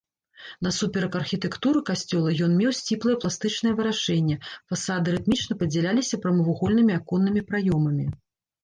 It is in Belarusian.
Насуперак архітэктуры касцёла ён меў сціплае пластычнае вырашэнне, фасады рытмічна падзяляліся прамавугольнымі аконнымі праёмамі.